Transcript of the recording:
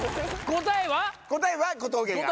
答えは小峠が。